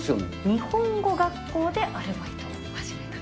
日本語学校でアルバイトを始めた。